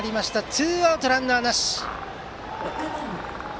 ツーアウトランナーなし。